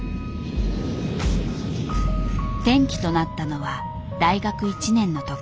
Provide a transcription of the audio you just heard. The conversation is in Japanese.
転機となったのは大学１年の時。